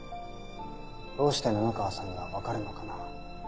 どうして布川さんにはわかるのかな。